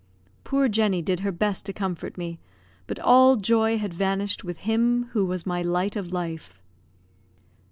Poor Jenny did her best to comfort me, but all joy had vanished with him who was my light of life.